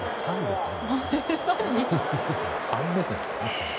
ファン目線ですね。